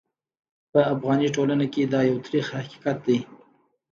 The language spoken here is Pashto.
په افغاني ټولنه کې دا یو ترخ حقیقت دی.